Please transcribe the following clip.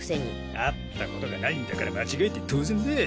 会ったことがないんだから間違えて当然だ。